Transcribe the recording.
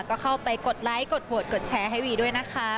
ก็เข้าไปกดไลค์กดโหวตกดแชร์ให้วีด้วยนะคะ